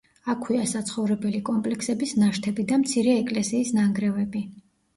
აქვეა საცხოვრებელი კომპლექსების ნაშთები და მცირე ეკლესიის ნანგრევები.